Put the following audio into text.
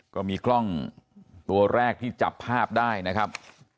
ก็มีกล้องตัวแรกที่จับภาพได้นะครับ